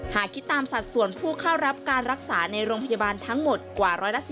หากคิดตามสัดส่วนผู้เข้ารับการรักษาในโรงพยาบาลทั้งหมดกว่า๑๑๐